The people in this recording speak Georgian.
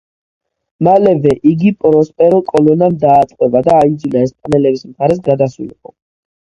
მალევე იგი პროსპერო კოლონამ დაატყვევა და აიძულა ესპანელების მხარეს გადასულიყო.